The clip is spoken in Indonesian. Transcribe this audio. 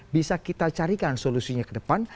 bisa kita carikan solusinya ke depan